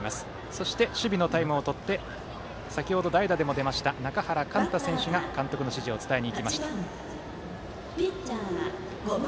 そして守備のタイムをとって先程、代打でも出た中原幹太選手が監督の指示を伝えに行きました。